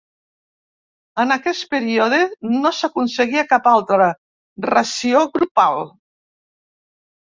En aquest període no s'aconseguia cap altra ració grupal.